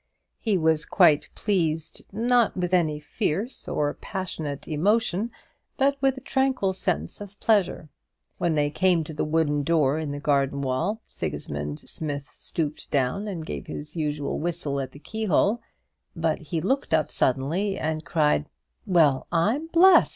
He was quite pleased, not with any fierce or passionate emotion, but with a tranquil sense of pleasure. When they came to the wooden door in the garden wall, Sigismund Smith stooped down and gave his usual whistle at the keyhole; but he looked up suddenly, and cried: "Well, I'm blest!"